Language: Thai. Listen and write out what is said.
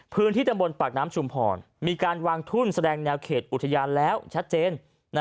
พื้นที่ตำบลปากน้ำชุมพรมีการวางทุนแสดงแนวเขตอุทยานแล้วชัดเจน